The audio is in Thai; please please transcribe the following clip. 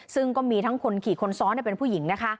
ซึ่งก็มีทั้งคนขี่คนซ้อนเป็นผู้หญิงนะคะ